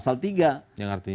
yang anggaman kesehatan